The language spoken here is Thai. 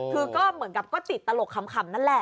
คือก็เหมือนกับก็ติดตลกขำนั่นแหละ